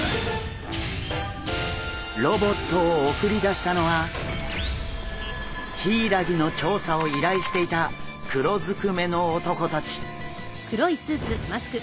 ロボットを送り出したのはヒイラギの調査を依頼していた黒ずくめの男たち。